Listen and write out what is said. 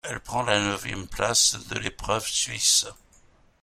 Elle prend la neuvième place de l'épreuve suisse.